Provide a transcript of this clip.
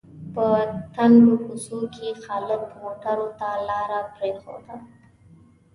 په تنګو کوڅو کې خالد موټرو ته لاره پرېښوده.